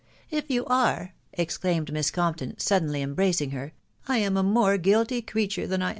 "If you are!" exclaimed Miss Compton, suddenly em bracing her, <l I am a more guilty creature \)&&xv\ ww.